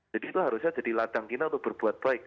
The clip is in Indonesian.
jadi itu harusnya jadi ladang kita untuk berbuat baik